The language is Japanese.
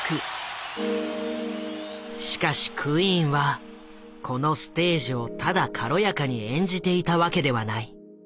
しかしクイーンはこのステージをただ軽やかに演じていたわけではない。